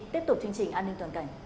tiếp tục chương trình an ninh toàn cảnh